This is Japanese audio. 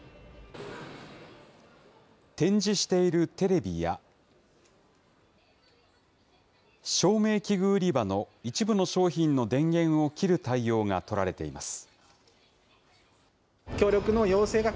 展示しているテレビや、照明器具売り場の一部の商品の電源を切る対応が取られています。